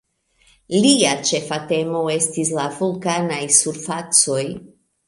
Lia ĉefa temo estis la vulkanaj surfacoj.